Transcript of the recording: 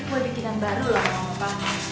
ini kue bikinan baru lah sama papa